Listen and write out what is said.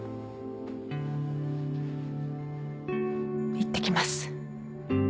いってきます。